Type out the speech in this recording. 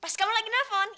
berikan uang kempfest tiste